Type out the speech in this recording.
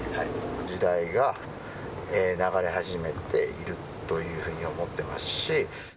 時代が流れ始めているというふうに思ってますし。